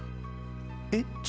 えっ。